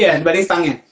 iya dibanding stangnya